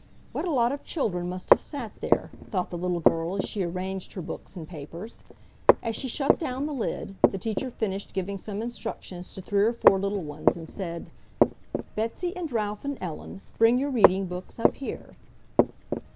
What a lot of children must have sat there, thought the little girl as she arranged her books and papers. As she shut down the lid the teacher finished giving some instructions to three or four little ones and said, "Betsy and Ralph and Ellen, bring your reading books up here."